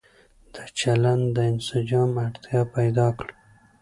د چلن د انسجام اړتيا پيدا کړه